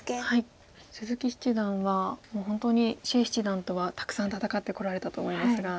鈴木七段は本当に謝七段とはたくさん戦ってこられたと思いますが。